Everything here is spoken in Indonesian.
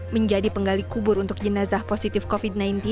menjadi penggali kubur untuk jenazah positif covid sembilan belas